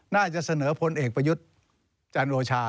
น่าจะเสนอพลเอกประยุทธ์จันโอชา